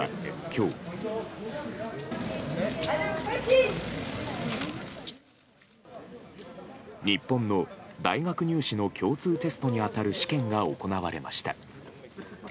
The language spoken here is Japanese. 日本の大学入試の共通テストに当たる試験が行われました。